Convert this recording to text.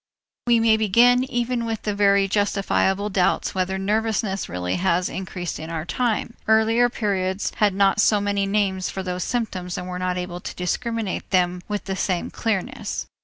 We may begin even with the very justifiable doubt whether nervousness really has increased in our time. Earlier periods had not so many names for those symptoms and were not able to discriminate them with the same clearness.